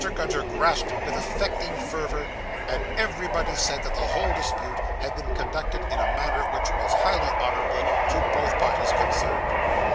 Gunter grasped it with affecting fervour; and everybody said that the whole dispute had been conducted in a manner which was highly honourable to both parties concerned.